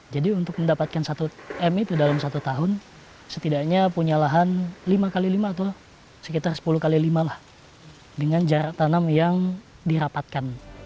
jadi untuk mendapatkan satu m itu dalam satu tahun setidaknya punya lahan lima x lima atau sekitar sepuluh x lima lah dengan jarak tanam yang dirapatkan